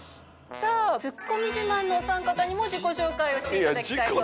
さあツッコミ自慢のお三方にも自己紹介をしていただきたいと思います。